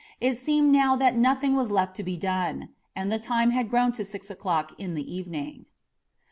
It seemed now that nothing was left to be done, and the time had grown to six o'clock in the evening.